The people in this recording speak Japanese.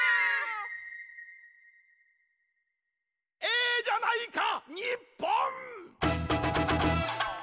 「ええじゃないか」